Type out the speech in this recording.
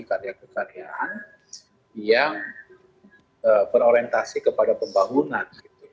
karya kekaryaan yang berorientasi kepada pembangunan